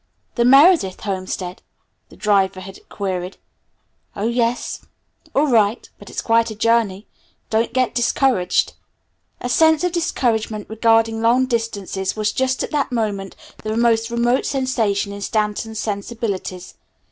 "The Meredith homestead?" the driver had queried. "Oh, yes. All right; but it's quite a journey. Don't get discouraged." A sense of discouragement regarding long distances was just at that moment the most remote sensation in Stanton's sensibilities.